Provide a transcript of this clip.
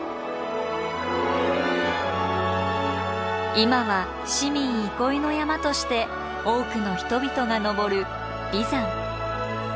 今は市民憩いの山として多くの人々が登る眉山。